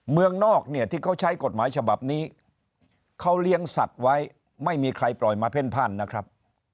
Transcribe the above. เมืองนอกเนี่ยที่เขาใช้กฎหมายฉบับนี้เขาเลี้ยงสัตว์ไว้ไม่มีใครปล่อยมาเพ่นพันธุนะครับ